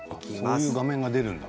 そういう画面が出るんだ